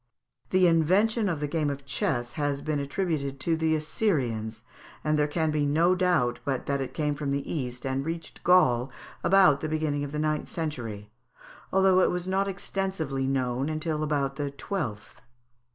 The invention of the game of chess has been attributed to the Assyrians, and there can be no doubt but that it came from the East, and reached Gaul about the beginning of the ninth century, although it was not extensively known till about the twelfth.